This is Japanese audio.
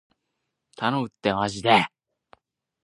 頼むってーまじで